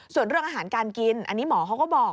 ส่วนเรื่องอาหารการกินอันนี้หมอเขาก็บอก